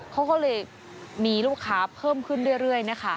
เขาก็เลยมีลูกค้าเพิ่มขึ้นเรื่อยนะคะ